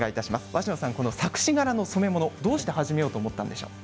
鷲野さん、この錯視柄の染め物どうして始めようと思ったんでしょう？